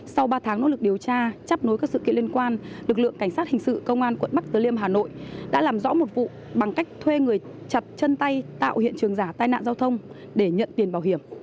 sau ba tháng nỗ lực điều tra chấp nối các sự kiện liên quan lực lượng cảnh sát hình sự công an quận bắc tử liêm hà nội đã làm rõ một vụ bằng cách thuê người chặt chân tay tạo hiện trường giả tai nạn giao thông để nhận tiền bảo hiểm